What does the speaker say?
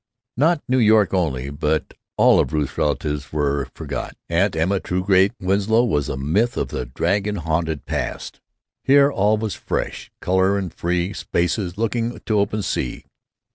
Not New York only, but all of Ruth's relatives were forgot. Aunt Emma Truegate Winslow was a myth of the dragon haunted past. Here all was fresh color and free spaces looking to open sea.